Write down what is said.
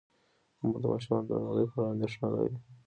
مور د ماشومانو د ناروغۍ په اړه اندیښنه لري.